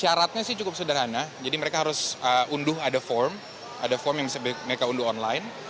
syaratnya sih cukup sederhana jadi mereka harus unduh ada form ada form yang bisa mereka unduh online